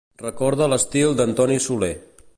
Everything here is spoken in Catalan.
Recorda l'estil d'Antoni Soler.